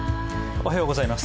おはようございます。